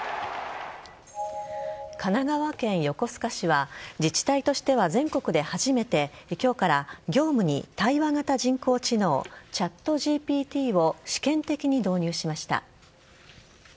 神奈川県横須賀市は自治体としては全国で初めて今日から業務に対話型人工知能ＣｈａｔＧＰＴを試験的に導入しました。